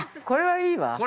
これはいいわ。